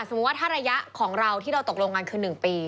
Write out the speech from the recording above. ว่าถ้าระยะของเราที่เราตกลงกันคือ๑ปี